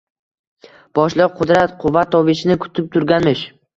Boshliq Qudrat Quvvatovichni kutib turganmish